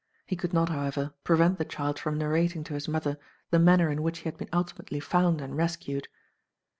He could not, however, prevent the child from narrating to his mother the manner in which he had been ultimately found and rescued.